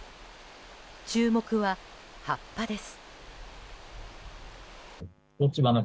注目は、葉っぱです。